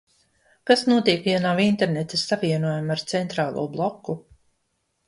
Kas notiek, ja nav interneta savienojuma ar centrālo bloku?